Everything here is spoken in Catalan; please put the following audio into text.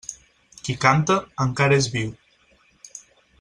Qui canta, encara és viu.